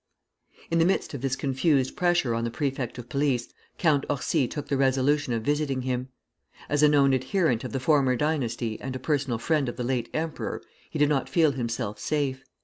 In the midst of this confused pressure on the prefect of police, Count Orsi took the resolution of visiting him. As a known adherent of the former dynasty and a personal friend of the late emperor, he did not feel himself safe.